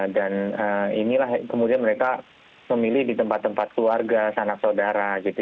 dan inilah kemudian mereka memilih di tempat tempat keluarga sanak saudara gitu